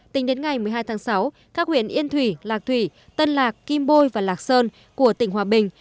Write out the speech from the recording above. tính đến ngày một mươi hai tháng sáu các huyện yên thủy lạc thủy tân lạc kim bôi và lạc sơn của tỉnh hòa bình